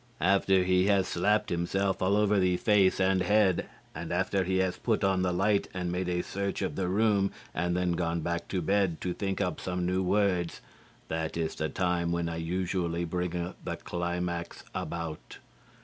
After he has slapped himself all over the face and head, and after he has put on the light and made a search of the room and then gone back to bed to think up some new words, that is the time when I usually bring the climax about.